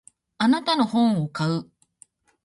あなたの本を買う。